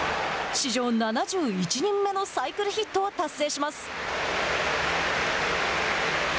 史上７１人目のサイクルヒットを達成します。